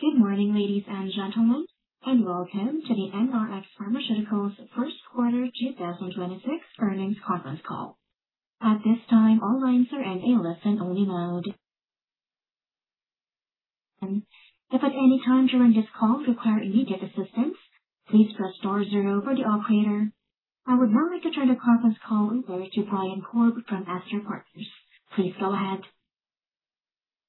Good morning, ladies and gentlemen, and welcome to the NRx Pharmaceuticals first quarter 2026 earnings conference call. At this time, all lines are in listen-only mode. If at any time during this call you require immediate assistance, please press star zero for the operator. I would now like to turn the conference call over to Brian Korb from Astr Partners. Please go ahead.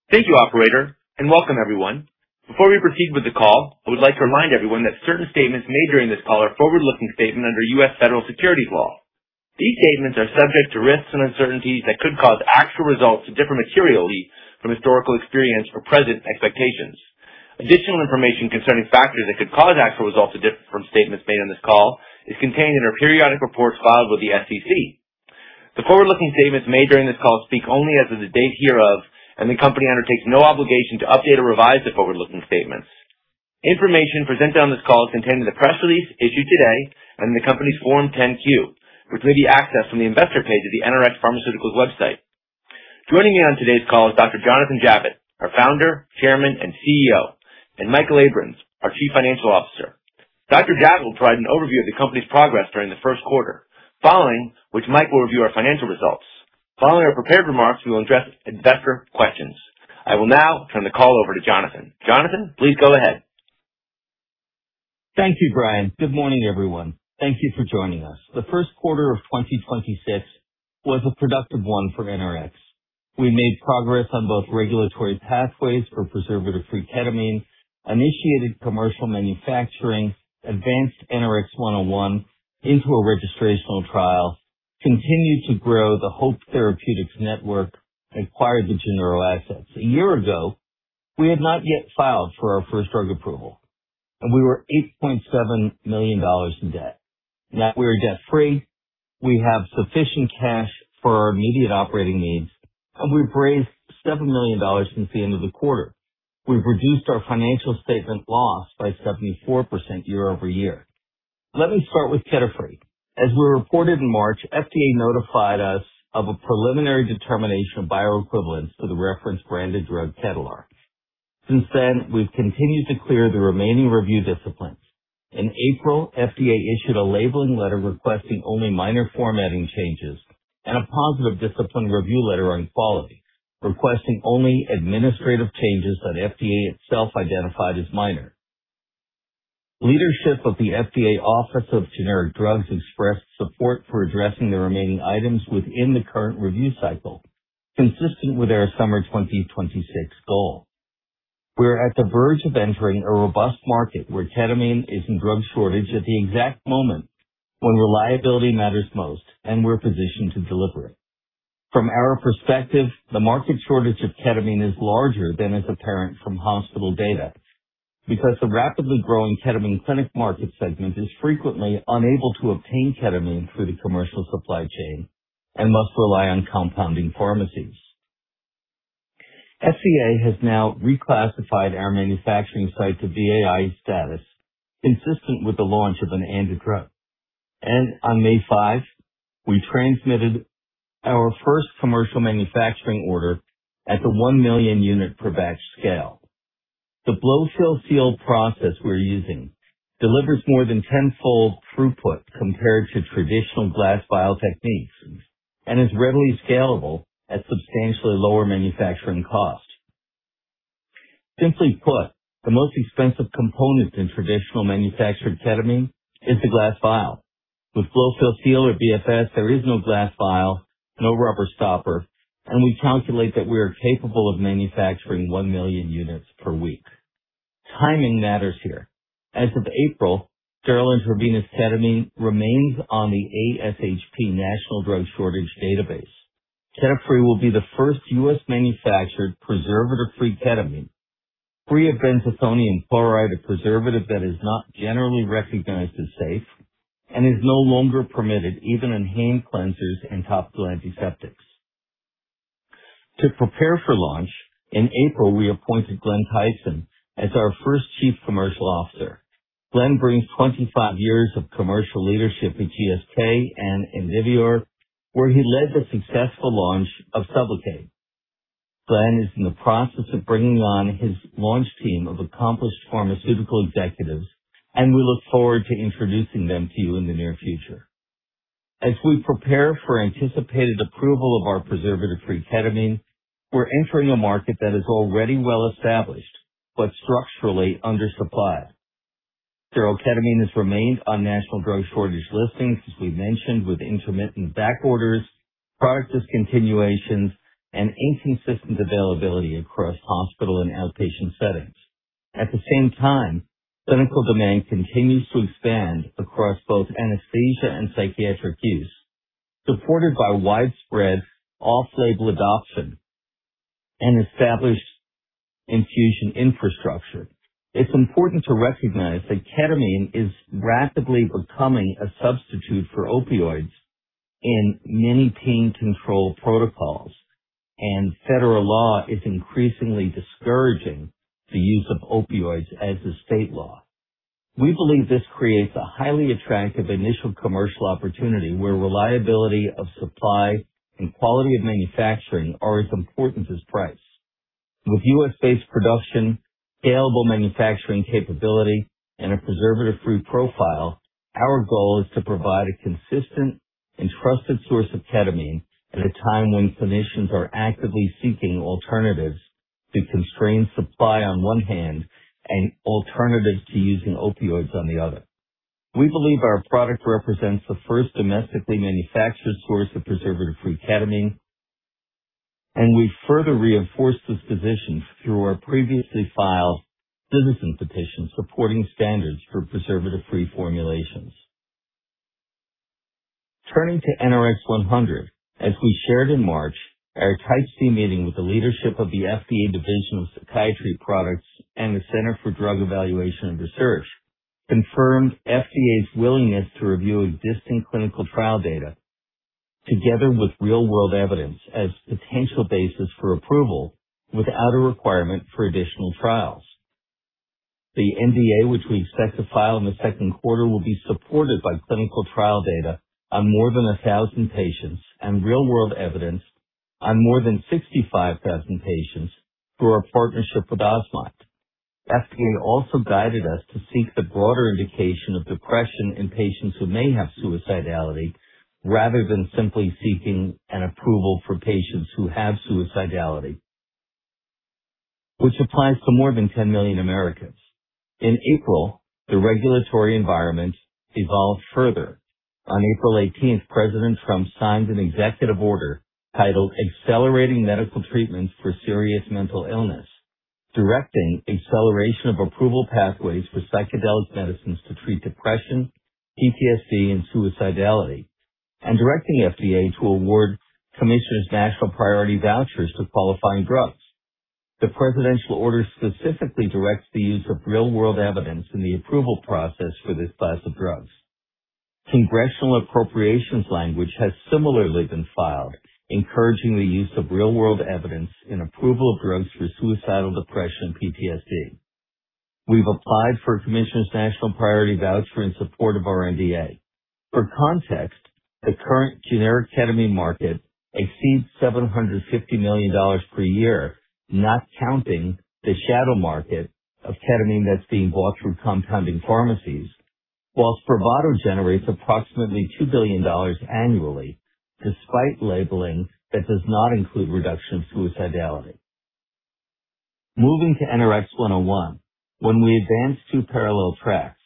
Thank you, operator, and welcome, everyone. Before we proceed with the call, I would like to remind everyone that certain statements made during this call are forward-looking statement under U.S. Federal Securities law. These statements are subject to risks and uncertainties that could cause actual results to differ materially from historical experience or present expectations. Additional information concerning factors that could cause actual results to differ from statements made on this call is contained in our periodic reports filed with the SEC. The forward-looking statements made during this call speak only as of the date hereof. The company undertakes no obligation to update or revise the forward-looking statements. Information presented on this call is contained in the press release issued today and in the company's Form 10-Q, which may be accessed from the investor page of the NRx Pharmaceuticals website. Joining me on today's call is Dr. Jonathan Javitt, our Founder, Chairman, and CEO, and Michael Abrams, our Chief Financial Officer. Dr. Javitt will provide an overview of the company's progress during the first quarter, following which Mike will review our financial results. Following our prepared remarks, we will address investor questions. I will now turn the call over to Jonathan. Jonathan, please go ahead. Thank you, Brian. Good morning, everyone. Thank you for joining us. The first quarter of 2026 was a productive one for NRx. We made progress on both regulatory pathways for preservative-free ketamine, initiated commercial manufacturing, advanced NRX-101 into a registrational trial, continued to grow the HOPE Therapeutics network, acquired the GeNeuro assets. A year ago, we had not yet filed for our first drug approval, and we were $8.7 million in debt. Now we are debt free. We have sufficient cash for our immediate operating needs, and we've raised $7 million since the end of the quarter. We've reduced our financial statement loss by 74% year-over-year. Let me start with KETAFREE. As we reported in March, FDA notified us of a preliminary determination of bioequivalence to the reference branded drug, Ketalar. Since then, we've continued to clear the remaining review disciplines. In April, FDA issued a labeling letter requesting only minor formatting changes and a positive discipline review letter on quality, requesting only administrative changes that FDA itself identified as minor. Leadership of the FDA Office of Generic Drugs expressed support for addressing the remaining items within the current review cycle, consistent with our summer 2026 goal. We are at the verge of entering a robust market where ketamine is in drug shortage at the exact moment when reliability matters most, and we're positioned to deliver it. From our perspective, the market shortage of ketamine is larger than is apparent from hospital data because the rapidly growing ketamine clinic market segment is frequently unable to obtain ketamine through the commercial supply chain and must rely on compounding pharmacies. FDA has now reclassified our manufacturing site to VAI status consistent with the launch of an ANDA drug. On May 5, we transmitted our first commercial manufacturing order at the one million unit per batch scale. The blow-fill-seal process we're using delivers more than tenfold throughput compared to traditional glass vial techniques and is readily scalable at substantially lower manufacturing cost. Simply put, the most expensive component in traditional manufactured ketamine is the glass vial. With blow-fill-seal or BFS, there is no glass vial, no rubber stopper, and we calculate that we are capable of manufacturing one million units per week. Timing matters here. As of April, Sterlin's Revenna ketamine remains on the ASHP National Drug Shortage database. KETAFREE will be the first U.S. manufactured preservative-free ketamine, free of benzethonium chloride, a preservative that is not generally recognized as safe and is no longer permitted even in hand cleansers and topical antiseptics. To prepare for launch, in April, we appointed Glenn Tyson as our first Chief Commercial Officer. Glenn brings 25 years of commercial leadership at GSK and Indivior, where he led the successful launch of SUBLOCADE. Glenn is in the process of bringing on his launch team of accomplished pharmaceutical executives, and we look forward to introducing them to you in the near future. As we prepare for anticipated approval of our preservative-free ketamine, we're entering a market that is already well established but structurally undersupplied. Sterile ketamine has remained on national drug shortage listings, as we mentioned, with intermittent back orders, product discontinuations, and inconsistent availability across hospital and outpatient settings. At the same time, clinical demand continues to expand across both anesthesia and psychiatric use, supported by widespread off-label adoption and established infusion infrastructure. It's important to recognize that ketamine is rapidly becoming a substitute for opioids in many pain control protocols. Federal law is increasingly discouraging the use of opioids as a state law. We believe this creates a highly attractive initial commercial opportunity where reliability of supply and quality of manufacturing are as important as price. With U.S.-based production, scalable manufacturing capability, and a preservative-free profile, our goal is to provide a consistent and trusted source of ketamine at a time when clinicians are actively seeking alternatives to constrained supply on one hand and alternatives to using opioids on the other. We believe our product represents the first domestically manufactured source of preservative-free ketamine, and we further reinforce this position through our previously filed citizen petition supporting standards for preservative-free formulations. Turning to NRX-100, as we shared in March, our Type C meeting with the leadership of the FDA Division of Psychiatry Products and the Center for Drug Evaluation and Research confirmed FDA's willingness to review existing clinical trial data together with real-world evidence as potential basis for approval without a requirement for additional trials. The NDA, which we expect to file in the second quarter, will be supported by clinical trial data on more than 1,000 patients and real-world evidence on more than 65,000 patients through our partnership with Osmind. FDA also guided us to seek the broader indication of depression in patients who may have suicidality rather than simply seeking an approval for patients who have suicidality, which applies to more than 10 million Americans. In April, the regulatory environment evolved further. On April 18th, President Trump signed an executive order titled Accelerating Medical Treatments for Serious Mental Illness, directing acceleration of approval pathways for psychedelic medicines to treat depression, PTSD, and suicidality, and directing FDA to award Commissioner's National Priority Vouchers to qualifying drugs. The presidential order specifically directs the use of real-world evidence in the approval process for this class of drugs. Congressional appropriations language has similarly been filed, encouraging the use of real-world evidence in approval of drugs for suicidal depression and PTSD. We've applied for Commissioner's National Priority Voucher in support of our NDA. For context, the current generic ketamine market exceeds $750 million per year, not counting the shadow market of ketamine that's being bought through compounding pharmacies, while SPRAVATO generates approximately $2 billion annually, despite labeling that does not include reduction of suicidality. Moving to NRX-101. When we advanced two parallel tracks.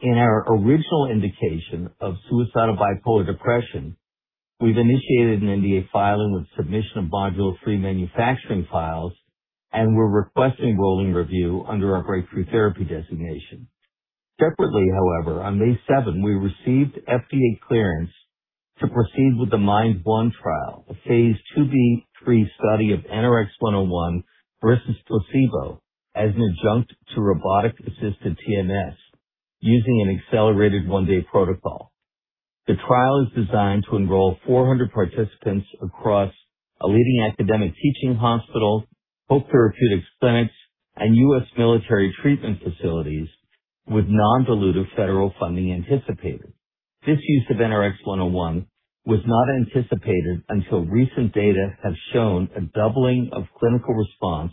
In our original indication of suicidal bipolar depression, we've initiated an NDA filing with submission of module three manufacturing files, and we're requesting rolling review under our breakthrough therapy designation. Separately, however, on May 7, we received FDA clearance to proceed with the MIND1 trial, a phase II-B/III study of NRX-101 versus placebo as an adjunct to robotic-assisted TMS using an accelerated one-day protocol. The trial is designed to enroll 400 participants across a leading academic teaching hospital, HOPE Therapeutics clinics, and U.S. military treatment facilities with non-dilutive federal funding anticipated. This use of NRX-101 was not anticipated until recent data have shown a doubling of clinical response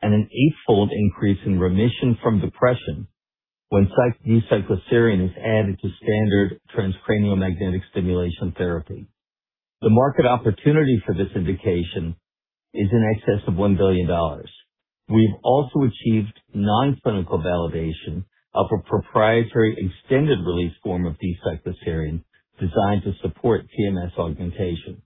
and an eight-fold increase in remission from depression when D-cycloserine is added to standard transcranial magnetic stimulation therapy. The market opportunity for this indication is in excess of $1 billion. We've also achieved non-clinical validation of a proprietary extended-release form of D-cycloserine designed to support TMS augmentation.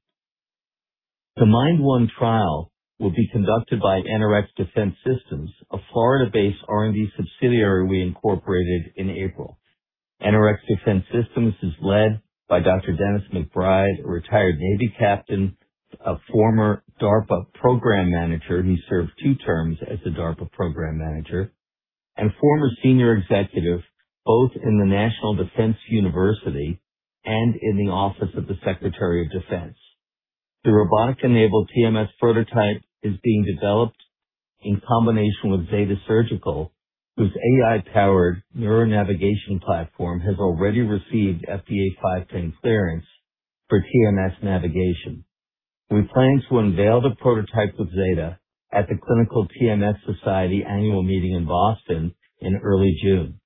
The MIND1 trial will be conducted by NRx Defense Systems, a Florida-based R&D subsidiary we incorporated in April. NRx Defense Systems is led by Dr. Dennis McBride, a retired Navy captain, a former DARPA program manager. He served two terms as the DARPA program manager and former senior executive, both in the National Defense University and in the Office of the Secretary of Defense. The robotic-enabled TMS prototype is being developed in combination with Zeta Surgical, whose AI-powered neuronavigation platform has already received FDA 510(k) clearance for TMS navigation. We plan to unveil the prototype with Zeta at the Clinical TMS Society Annual Meeting in Boston in early June.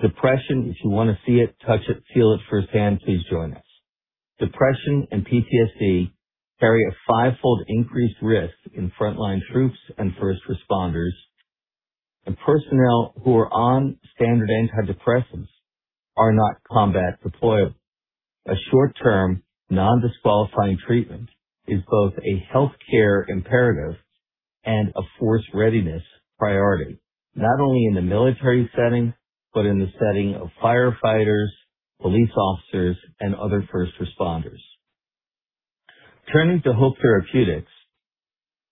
Depression, if you want to see it, touch it, feel it firsthand, please join us. Depression and PTSD carry a five-fold increased risk in frontline troops and first responders, and personnel who are on standard antidepressants are not combat deployable. A short-term, non-disqualifying treatment is both a healthcare imperative and a force readiness priority, not only in the military setting, but in the setting of firefighters, police officers, and other first responders. Turning to HOPE Therapeutics,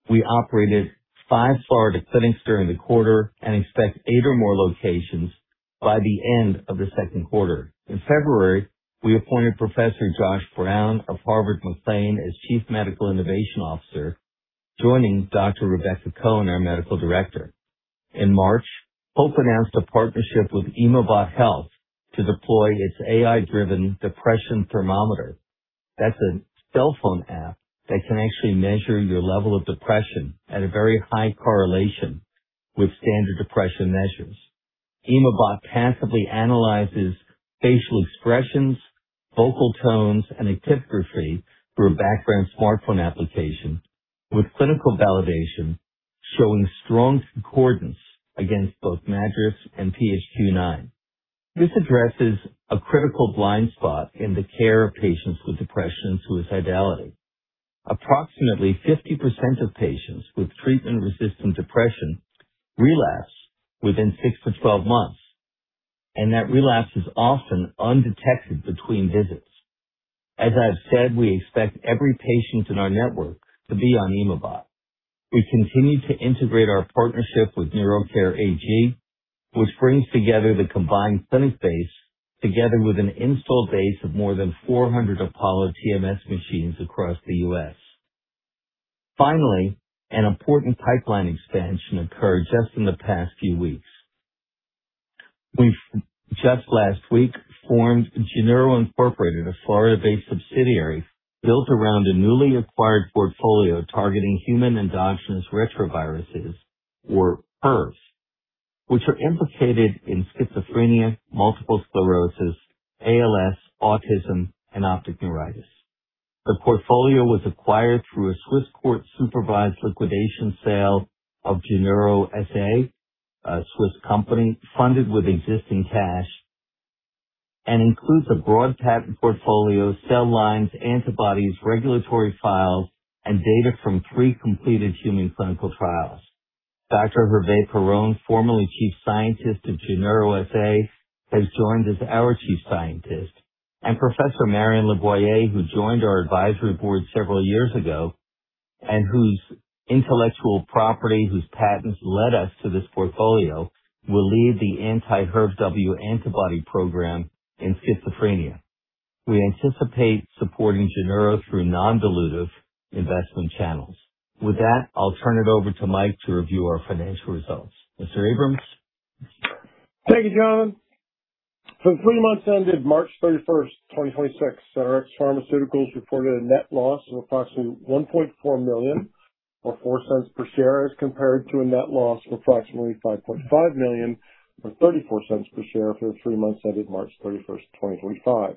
we operated five Florida clinics during the quarter and expect eight or more locations by the end of the 2Q. In February, we appointed Professor Joshua Brown of Harvard/McLean as Chief Medical Innovation Officer. Joining Dr. Rebecca Cohen, our Medical Director. In March, HOPE announced a partnership with Emobot Health to deploy its AI-driven depression thermometer. That's a cell phone app that can actually measure your level of depression at a very high correlation with standard depression measures. Emobot passively analyzes facial expressions, vocal tones, and actigraphy through a background smartphone application with clinical validation showing strong concordance against both MADRS and PHQ-9. This addresses a critical blind spot in the care of patients with depression and suicidality. Approximately 50% of patients with treatment-resistant depression relapse within 6-12 months, and that relapse is often undetected between visits. As I've said, we expect every patient in our network to be on Emobot. We continue to integrate our partnership with neurocare Group AG, which brings together the combined clinic base together with an install base of more than 400 Apollo TMS machines across the U.S. Finally, an important pipeline expansion occurred just in the past few weeks. We've just last week formed GeNeuro, Inc., a Florida-based subsidiary built around a newly acquired portfolio targeting Human Endogenous Retroviruses, or HERVs, which are implicated in schizophrenia, multiple sclerosis, ALS, autism, and optic neuritis. The portfolio was acquired through a Swiss court-supervised liquidation sale of GeNeuro, SA, a Swiss company funded with existing cash, and includes a broad patent portfolio, cell lines, antibodies, regulatory files, and data from from completed human clinical trials. Dr. Hervé Perron, formerly Chief Scientist at GeNeuro, SA, has joined as our Chief Scientist and Professor Marion Leboyer, who joined our advisory board several years ago and whose intellectual property, whose patents led us to this portfolio, will lead the anti-HERV-W antibody program in schizophrenia. We anticipate supporting GeNeuro through non-dilutive investment channels. With that, I'll turn it over to Mike to review our financial results. Mr. Abrams. Thank you, John. For the three months ended March 31, 2026, NRx Pharmaceuticals reported a net loss of approximately $1.4 million or $0.04 per share as compared to a net loss of approximately $5.5 million or $0.34 per share for the three months ended March 31, 2025,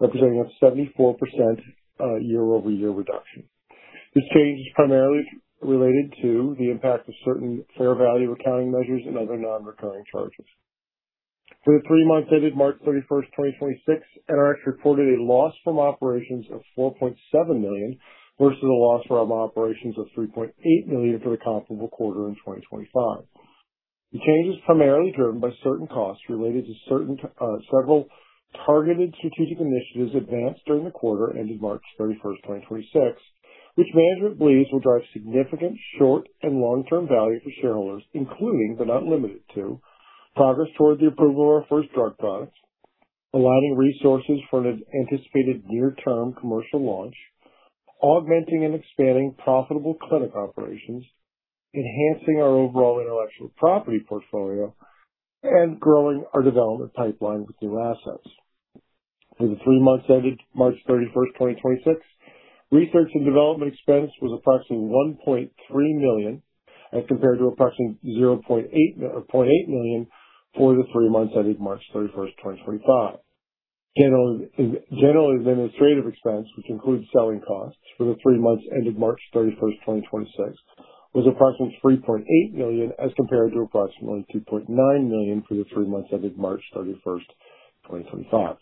representing a 74% year-over-year reduction. This change is primarily related to the impact of certain fair value accounting measures and other non-recurring charges. For the three months ended March 31, 2026, NRx reported a loss from operations of $4.7 million versus a loss from operations of $3.8 million for the comparable quarter in 2025. The change is primarily driven by certain costs related to certain, several targeted strategic initiatives advanced during the quarter ended March 31, 2026, which management believes will drive significant short and long-term value for shareholders, including but not limited to, progress toward the approval of our first drug products, allowing resources for an anticipated near-term commercial launch, augmenting and expanding profitable clinic operations, enhancing our overall intellectual property portfolio, and growing our development pipeline with new assets. For the three months ended March 31, 2026, research and development expense was approximately $1.3 million as compared to approximately $0.8 million for the three months ended March 31, 2025. General administrative expense, which includes selling costs for the three months ended March 31, 2026, was approximately $3.8 million as compared to approximately $2.9 million for the three months ended March 31, 2025.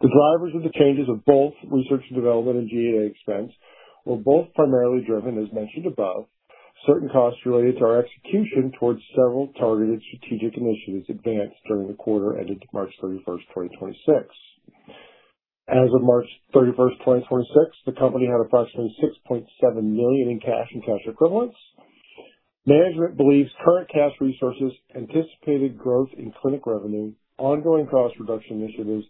The drivers of the changes of both research and development and G&A expense were primarily driven, as mentioned above, certain costs related to our execution towards several targeted strategic initiatives advanced during the quarter ended March 31, 2026. As of March 31, 2026, the company had approximately $6.7 million in cash and cash equivalents. Management believes current cash resources, anticipated growth in clinic revenue, ongoing cost reduction initiatives,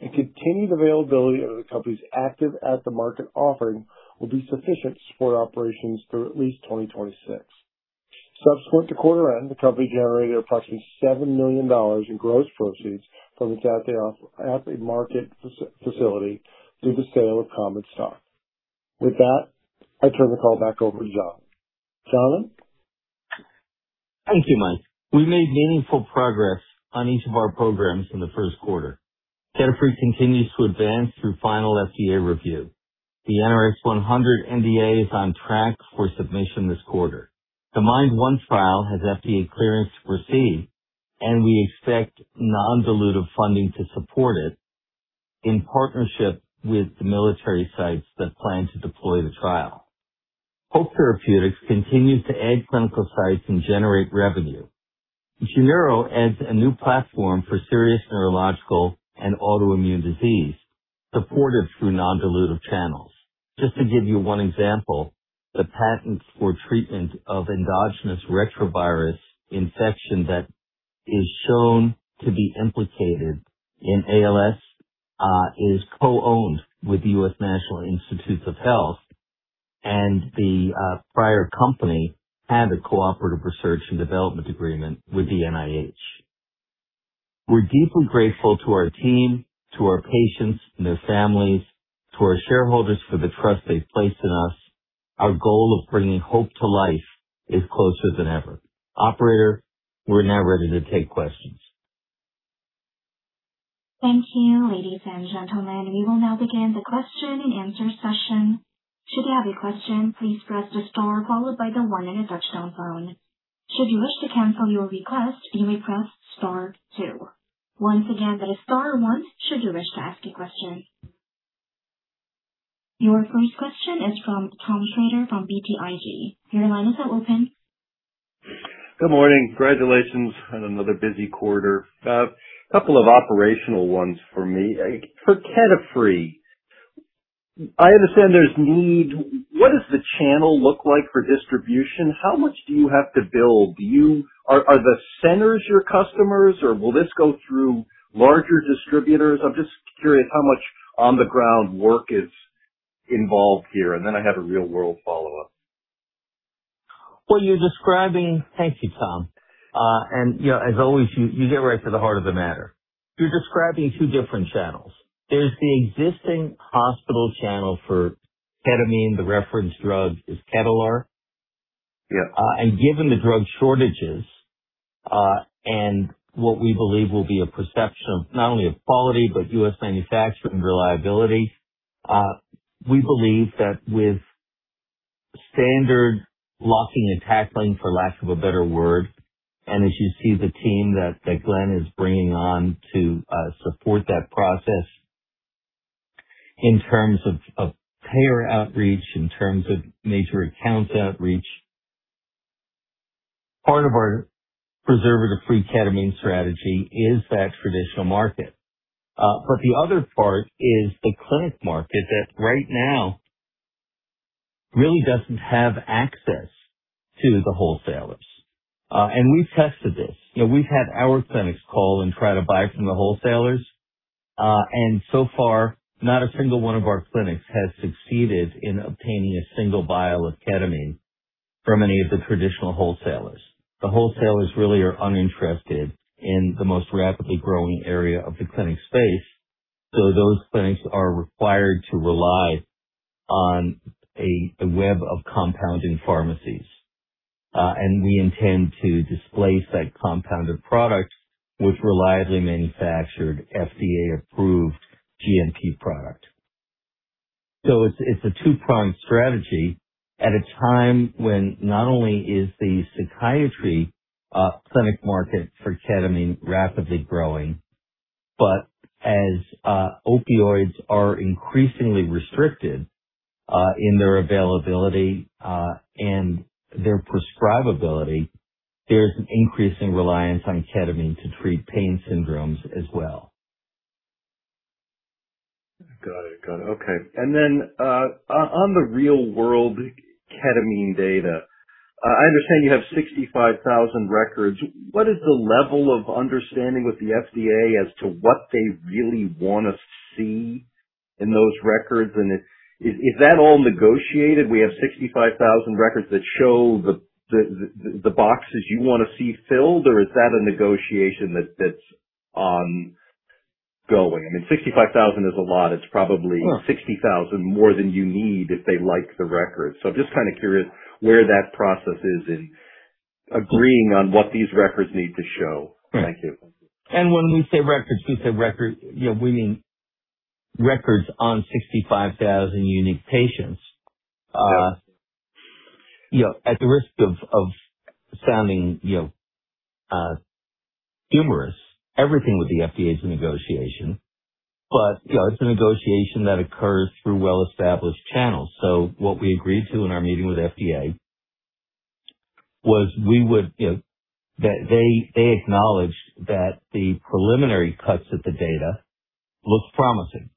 and continued availability of the company's active at-the-market offering will be sufficient to support operations through at least 2026. Subsequent to quarter end, the company generated approximately $7 million in gross proceeds from its at-the-market facility through the sale of common stock. With that, I turn the call back over to Jonathan. Thank you, Mike. We made meaningful progress on each of our programs in the first quarter. KETAFREE continues to advance through final FDA review. The NRX-100 NDA is on track for submission this quarter. The MIND1 trial has FDA clearance to proceed, and we expect non-dilutive funding to support it in partnership with the military sites that plan to deploy the trial. HOPE Therapeutics continues to add clinical sites and generate revenue. GeNeuro adds a new platform for serious neurological and autoimmune disease supported through non-dilutive channels. Just to give you one example, the patent for treatment of endogenous retrovirus infection that is shown to be implicated in ALS, is co-owned with the U.S. National Institutes of Health, and the prior company had a cooperative research and development agreement with the NIH. We're deeply grateful to our team, to our patients and their families, to our shareholders for the trust they've placed in us. Our goal of bringing hope to life is closer than ever. Operator, we're now ready to take questions. Thank you. Ladies and gentlemen, we will now begin the question and answer session. Should you have a question, please press the star followed by the one on your touchtone phone. Should you wish to cancel your request, you may press star two. Once again, that is star one should you wish to ask a question. Your first question is from Tom Shrader from BTIG. Your line is now open. Good morning. Congratulations on another busy quarter. Couple of operational ones for me. For KETAFREE, I understand there's need. What does the channel look like for distribution? How much do you have to build? Are the centers your customers, or will this go through larger distributors? I'm just curious how much on-the-ground work is involved here, and then I have a real-world follow-up. Well, Thank you, Tom. You know, as always, you get right to the heart of the matter. You're describing two different channels. There's the existing hospital channel for ketamine. The reference drug is Ketalar. Yeah. Given the drug shortages, and what we believe will be a perception not only of quality, but U.S. manufacturing reliability, we believe that with standard locking and tackling, for lack of a better word, and as you see, the team that Glenn is bringing on to support that process in terms of payer outreach, in terms of major accounts outreach. Part of our preservative-free ketamine strategy is that traditional market. The other part is the clinic market that right now really doesn't have access to the wholesalers. We've tested this. You know, we've had our clinics call and try to buy from the wholesalers. So far, not a single one of our clinics has succeeded in obtaining a single vial of ketamine from any of the traditional wholesalers. The wholesalers really are uninterested in the most rapidly growing area of the clinic space. Those clinics are required to rely on a web of compounding pharmacies. We intend to displace that compounded product with reliably manufactured, FDA-approved GMP product. It's a two-pronged strategy at a time when not only is the psychiatry clinic market for ketamine rapidly growing, but as opioids are increasingly restricted in their availability and their prescribability, there's an increasing reliance on ketamine to treat pain syndromes as well. Got it. Got it. Okay. On the real-world ketamine data, I understand you have 65,000 records. What is the level of understanding with the FDA as to what they really wanna see in those records? Is that all negotiated? We have 65,000 records that show the boxes you wanna see filled, or is that a negotiation that's going? I mean, 65,000 is a lot. It's probably 60,000 more than you need if they like the records. I'm just kinda curious where that process is in agreeing on what these records need to show. Thank you. When we say records, we say record. We mean records on 65,000 unique patients. At the risk of sounding, you know, humorous, everything with the FDA is a negotiation. You know, it's a negotiation that occurs through well-established channels. What we agreed to in our meeting with FDA was we would, you know, that they acknowledge that the preliminary cuts of the data look promising.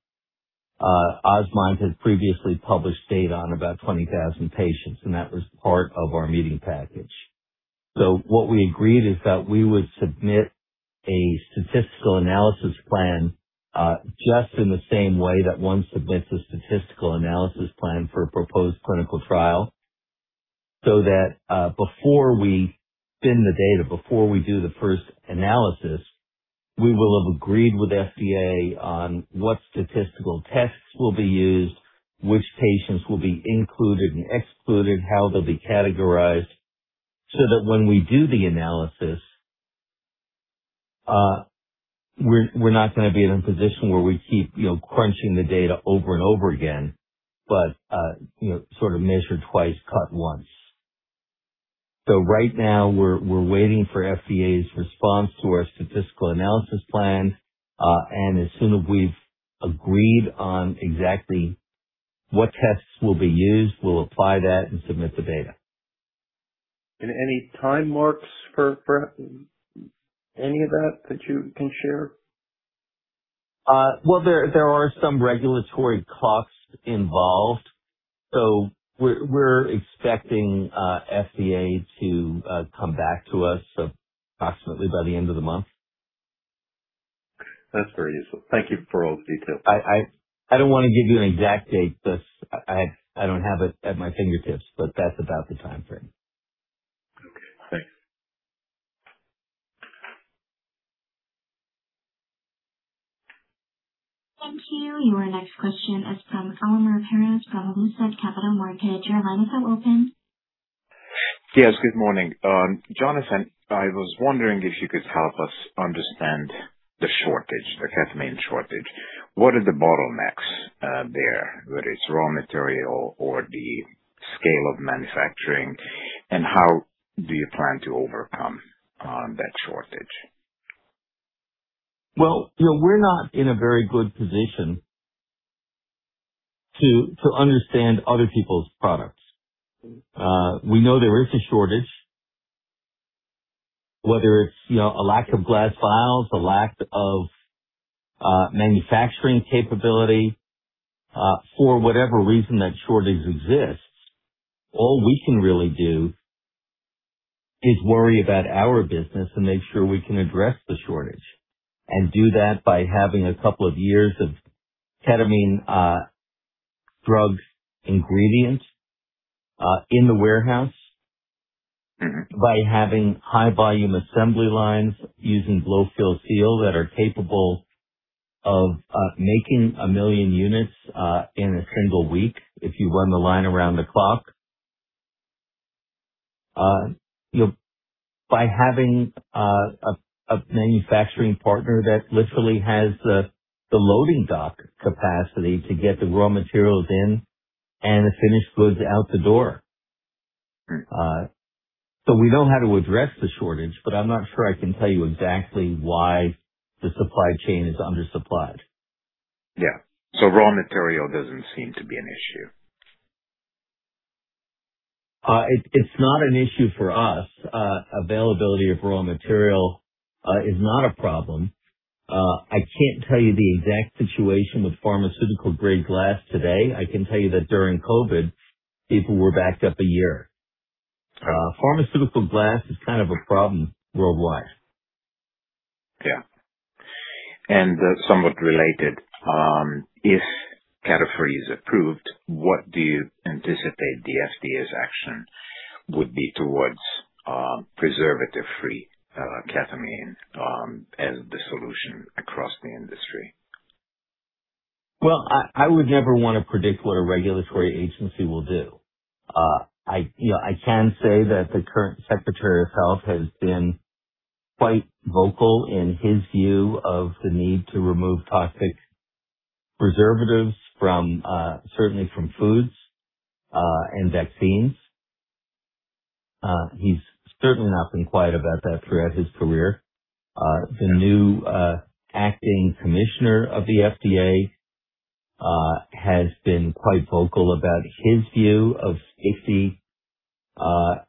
Osmind had previously published data on about 20,000 patients, and that was part of our meeting package. What we agreed is that we would submit a statistical analysis plan, just in the same way that one submits a statistical analysis plan for a proposed clinical trial, that before we spin the data, before we do the first analysis, we will have agreed with FDA on what statistical tests will be used, which patients will be included and excluded, how they'll be categorized, so that when we do the analysis, we're not gonna be in a position where we keep, you know, crunching the data over and over again, but, you know, sort of measure twice, cut once. Right now we're waiting for FDA's response to our statistical analysis plan. As soon as we've agreed on exactly what tests will be used, we'll apply that and submit the data. Any time marks for any of that that you can share? Well, there are some regulatory costs involved. We're expecting, FDA to come back to us approximately by the end of the month. That's very useful. Thank you for all the details. I don't wanna give you an exact date. I don't have it at my fingertips. That's about the timeframe. Okay. Thanks. Thank you. Your next question is from Elemer Piros Lucid Capital Markets. Your line is now open. Yes, good morning. Jonathan, I was wondering if you could help us understand the shortage, the ketamine shortage. What are the bottlenecks there, whether it's raw material or the scale of manufacturing, and how do you plan to overcome that shortage? Well, you know, we're not in a very good position to understand other people's products. We know there is a shortage, whether it's, you know, a lack of glass files, a lack of manufacturing capability, for whatever reason that shortage exists, all we can really do is worry about our business and make sure we can address the shortage. Do that by having a couple of years of ketamine drug ingredients in the warehouse. By having high volume assembly lines using blow-fill-seal that are capable of making a million units in a single week if you run the line around the clock. You know, by having a manufacturing partner that literally has the loading dock capacity to get the raw materials in and the finished goods out the door. We know how to address the shortage, but I'm not sure I can tell you exactly why the supply chain is undersupplied. Yeah. raw material doesn't seem to be an issue. It's not an issue for us. Availability of raw material is not a problem. I can't tell you the exact situation with pharmaceutical grade glass today. I can tell you that during COVID, people were backed up a year. Pharmaceutical glass is kind of a problem worldwide. Yeah. Somewhat related, if KETAFREE is approved, what do you anticipate the FDA's action would be towards preservative-free ketamine as the solution across the industry? Well, I would never wanna predict what a regulatory agency will do. You know, I can say that the current secretary of health has been quite vocal in his view of the need to remove toxic preservatives from, certainly from foods, and vaccines. He's certainly not been quiet about that throughout his career. The new acting commissioner of the FDA has been quite vocal about his view of safety,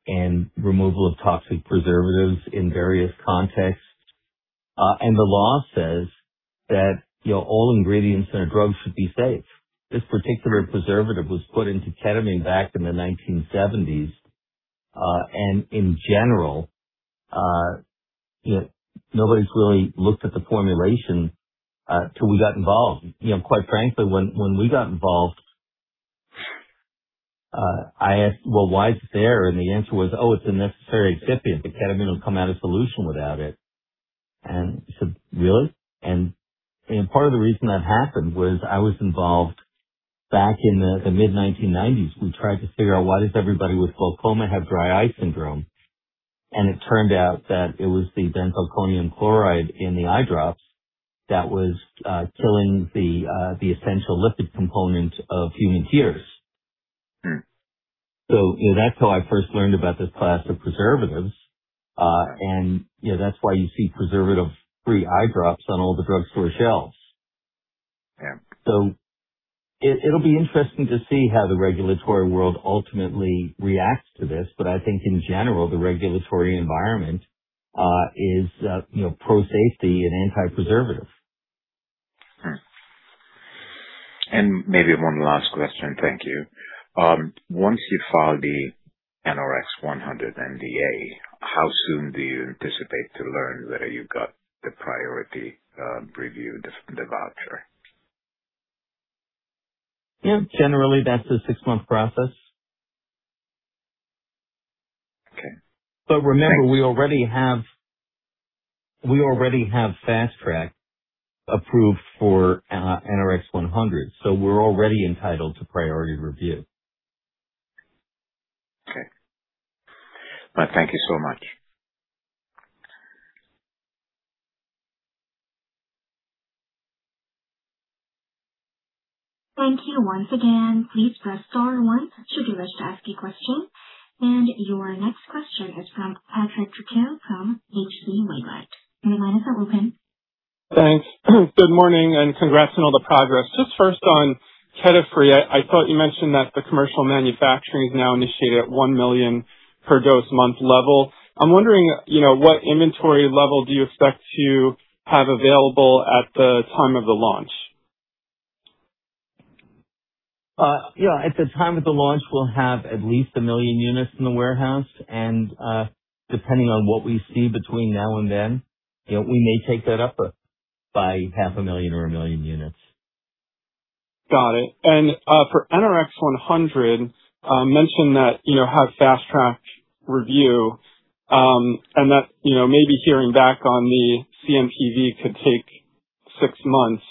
and removal of toxic preservatives in various contexts. The law says that, you know, all ingredients in a drug should be safe. This particular preservative was put into ketamine back in the 1970s, and in general, you know, nobody's really looked at the formulation till we got involved. You know, quite frankly, when we got involved, I asked, "Well, why is it there?" The answer was, "Oh, it's a necessary excipient. The ketamine will come out of solution without it." I said, "Really?" Part of the reason that happened was I was involved back in the mid-1990s. We tried to figure out why does everybody with glaucoma have dry eye syndrome. It turned out that it was the benzalkonium chloride in the eye drops that was killing the essential lipid component of human tears. You know, that's how I first learned about this class of preservatives. You know, that's why you see preservative-free eye drops on all the drugstore shelves. Yeah. It'll be interesting to see how the regulatory world ultimately reacts to this. I think in general, the regulatory environment, is, you know, pro-safety and anti-preservative. Maybe one last question. Thank you. Once you file the NRX-100 NDA, how soon do you anticipate to learn whether you got the priority review the voucher? Yeah. Generally, that's a six-month process. Okay. Remember. Thanks. We already have fast track approved for NRX-100, so we're already entitled to priority review. Okay. Well, thank you so much. Thank you once again. Please press star one should you wish to ask a question. Your next question is from Patrick Trucchio from H.C. Wainwright. Your line is now open. Thanks. Good morning and congrats on all the progress. Just first on KETAFREE, I thought you mentioned that the commercial manufacturing is now initiated at a million per dose month level. I'm wondering, you know, what inventory level do you expect to have available at the time of the launch? Yeah, at the time of the launch, we'll have at least a million units in the warehouse, and depending on what we see between now and then, you know, we may take that up by half a million or a million units. Got it. For NRX-100, mentioned that, you know, have fast track review, and that, you know, maybe hearing back on the CMPV could take six months.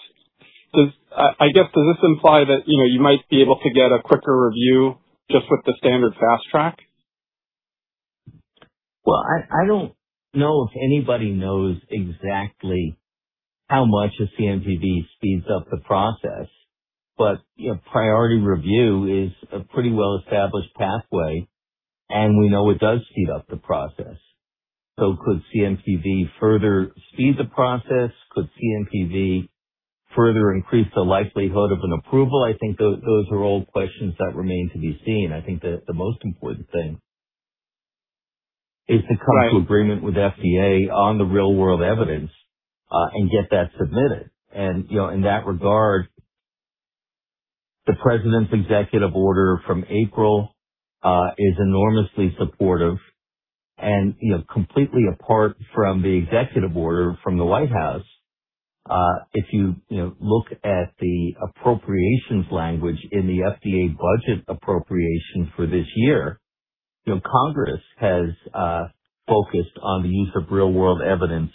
Does this imply that, you know, you might be able to get a quicker review just with the standard fast track? I don't know if anybody knows exactly how much a CMPV speeds up the process, you know, priority review is a pretty well-established pathway, we know it does speed up the process. Could CMPV further speed the process? Could CMPV further increase the likelihood of an approval? I think those are all questions that remain to be seen. I think that the most important thing is to come to agreement with FDA on the real-world evidence, get that submitted. You know, in that regard, the president's executive order from April is enormously supportive. You know, completely apart from the executive order from the White House, if you know, look at the appropriations language in the FDA budget appropriation for this year, you know, Congress has focused on the use of real-world evidence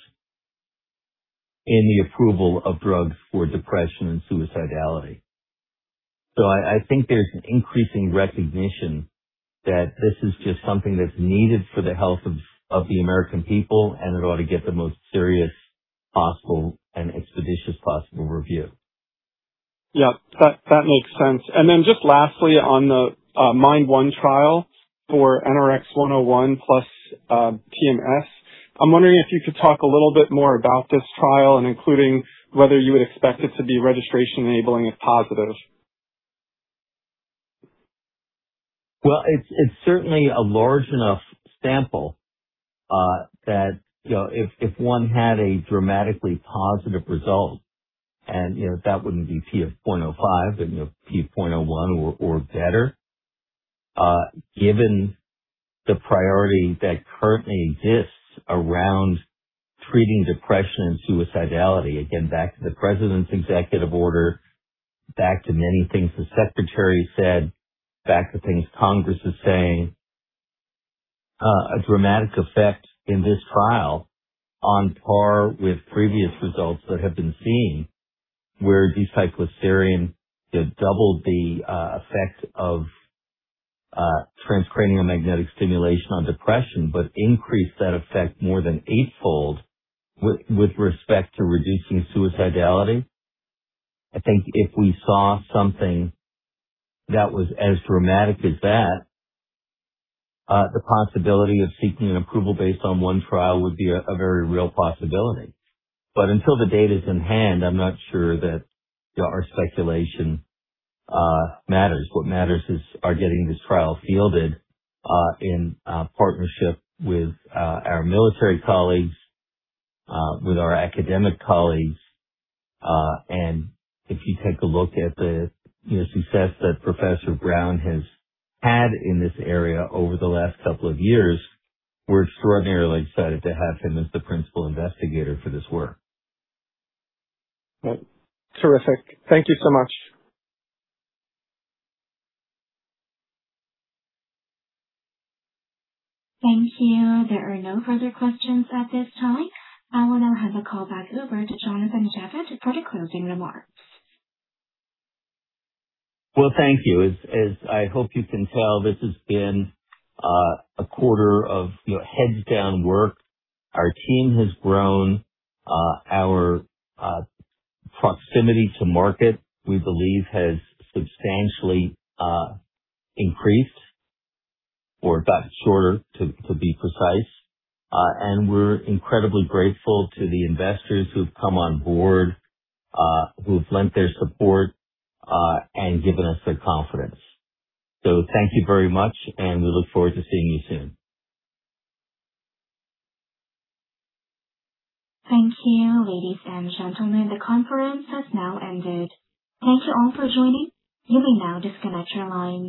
in the approval of drugs for depression and suicidality. I think there's an increasing recognition that this is just something that's needed for the health of the American people, and it ought to get the most serious possible and expeditious possible review. Yeah, that makes sense. Just lastly, on the MIND1 trial for NRX-101 plus TMS, I'm wondering if you could talk a little bit more about this trial and including whether you would expect it to be registration enabling if positive. Well, it's certainly a large enough sample that, you know, if one had a dramatically positive result and, you know, that wouldn't be p of 0.05 and, you know, p 0.01 or better. Given the priority that currently exists around treating depression and suicidality, again, back to the president's executive order, back to many things the secretary said, back to things Congress is saying, a dramatic effect in this trial on par with previous results that have been seen where D-cycloserine, you know, doubled the effect of transcranial magnetic stimulation on depression, but increased that effect more than eight-fold with respect to reducing suicidality. I think if we saw something that was as dramatic as that, the possibility of seeking an approval based on one trial would be a very real possibility. Until the data's in hand, I'm not sure that our speculation matters. What matters is are getting this trial fielded in partnership with our military colleagues, with our academic colleagues. If you take a look at the, you know, success that Professor Brown has had in this area over the last couple of years, we're extraordinarily excited to have him as the principal investigator for this work. Well, terrific. Thank you so much. Thank you. There are no further questions at this time. I will now hand the call back over to Jonathan Javitt for the closing remarks. Well, thank you. As I hope you can tell, this has been a quarter of, you know, heads down work. Our team has grown. Our proximity to market, we believe, has substantially increased or got shorter, to be precise. We're incredibly grateful to the investors who've come on board, who've lent their support, and given us their confidence. Thank you very much, and we look forward to seeing you soon. Thank you. Ladies and gentlemen, the conference has now ended. Thank you all for joining. You may now disconnect your lines.